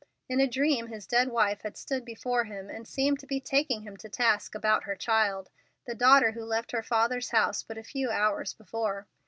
In a dream his dead wife had stood before him and seemed to be taking him to task about her child, the daughter who left her father's house but a few hours before.